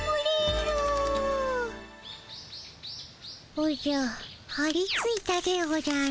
おじゃはりついたでおじゃる。